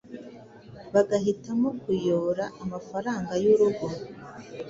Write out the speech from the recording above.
bagahitamo kuyora amafaranga y’urugo